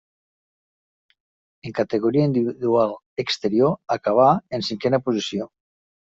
En categoria individual exterior acabà en cinquena posició.